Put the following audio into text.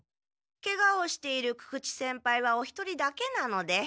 ケガをしている久々知先輩はお一人だけなので。